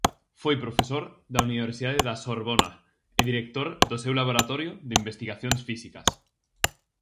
Foi profesor da Universidade da Sorbona e director do seu Laboratorio de Investigacións Físicas.